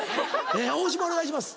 大島お願いします。